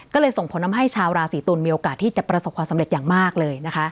ก็เลยส่งผลทำให้ชาวราศีตุลมีโอกาสที่จะประสบความสำเร็จอย่างมากเลยนะคะ